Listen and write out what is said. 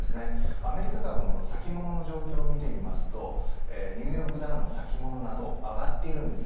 アメリカ株の先物の状況を見るとニューヨークダウの先物など上がっている。